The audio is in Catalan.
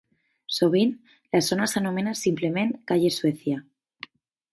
Sovint, la zona s'anomena simplement Calle Suecia.